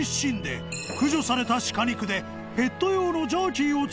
瓦駆除された鹿肉で撻奪